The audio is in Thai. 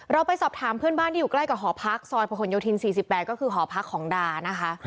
เราไปสอบถามเพื่อนบ้านที่อยู่ใกล้กับหอพักซอยประหลโยธิน๔๘ก็คือหอพักของดานะคะ